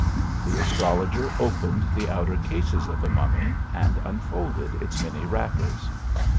The astrologer opened the outer cases of the mummy, and unfolded its many wrappers.